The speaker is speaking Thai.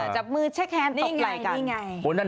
จับมือเช็คแฮนตบไหล่กัน